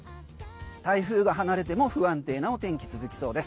台風が離れても不安定なお天気続きそうです。